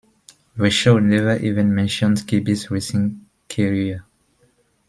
The show never even mentioned Kirby's racing career.